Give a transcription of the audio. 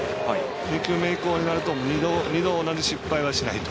２球目以降になると二度同じ失敗はしないと。